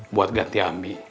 buat ganti ambi